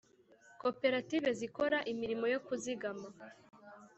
Koperative zikora imirimo yo kuzigama